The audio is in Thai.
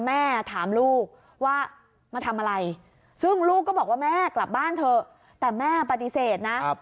แม่ถามลูกว่ามาทำอะไรซึ่งลูกก็บอกว่าแม่กลับบ้านเถอะแต่แม่ปฏิเสธนะ